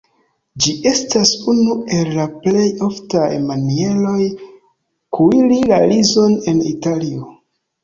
Ĝi estas unu el la plej oftaj manieroj kuiri la rizon en Italio.